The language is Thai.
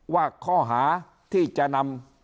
ว่าข้อหาที่จะนำ